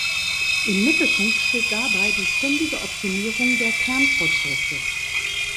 Im Mittelpunkt steht dabei die ständige Optimierung der Kernprozesse.